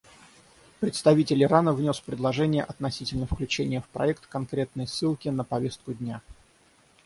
Представитель Ирана внес предложение относительно включения в проект конкретной ссылки на повестку дня.